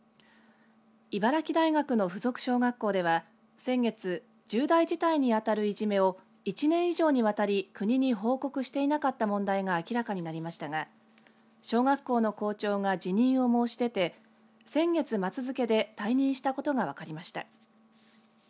茨城大学の附属小学校では先月重大事態にあたるいじめを１年以上にわたり国に報告していなかった問題が明らかになりましたが小学校の校長が辞任を申し出て先月末付けで退任したことが分かりました。